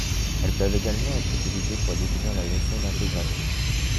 Elles peuvent également être utilisées pour définir la notion d'intégration.